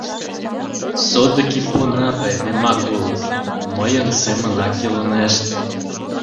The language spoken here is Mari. Содыки пунат айдемак улыт, мыйын семынак илынешт.